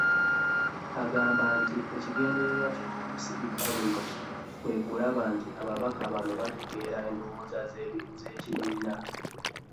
Agamba nti ekigendererwa ky'Olusirika luno kwe kulaba nti ababaka bano bategeera endowooza z'ekibiina